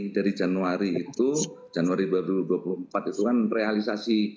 dari januari itu januari dua ribu dua puluh empat itu kan realisasi